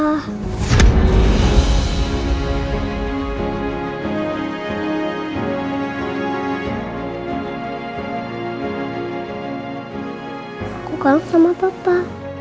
aku kalah sama papa